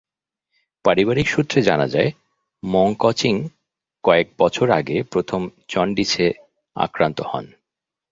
পারিবারিক সূত্রে জানা যায়, মংক্যচিং কয়েক বছর আগে প্রথম জন্ডিসে আক্রান্ত হন।